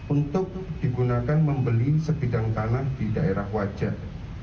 untuk digunakan membeli sebidang tanah di daerah wajah